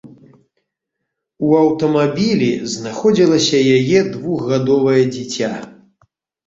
У аўтамабілі знаходзілася яе двухгадовае дзіця.